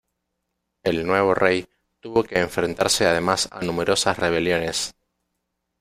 El nuevo rey tuvo que enfrentarse además a numerosas rebeliones.